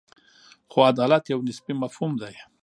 خو عدالت یو نسبي مفهوم دی.